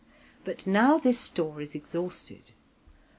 But now this store is exhausted.